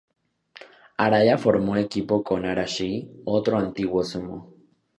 Araya formó equipo con Arashi, otro antiguo sumo.